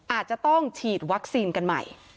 อาจจะต้องฉีดวัคซีนกันใหม่